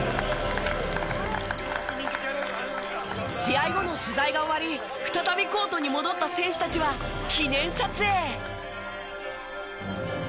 試合後の取材が終わり再びコートに戻った選手たちは記念撮影。